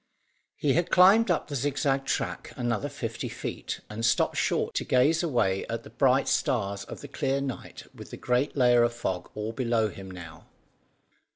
He had climbed up the zigzag track another fifty feet, and stopped short to gaze away at the bright stars of the clear night with the great layer of fog all below him now.